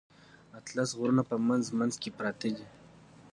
اتلس غرونه په منځ منځ کې پراته دي.